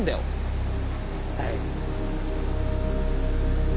はい。